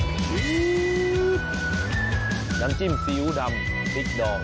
น้ำจิ้มซีอิ๊วดำพริกดอง